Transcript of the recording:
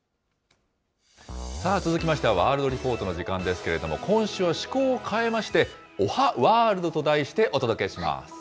さあ、続きましてはワールドリポートの時間ですけれども、今週は趣向を変えまして、おはワールドと題してお届けします。